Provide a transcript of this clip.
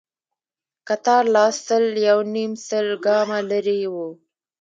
کتار لا سل يونيم سل ګامه لرې و.